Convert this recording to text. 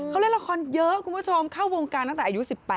เขาเล่นละครเยอะคุณผู้ชมเข้าวงการตั้งแต่อายุ๑๘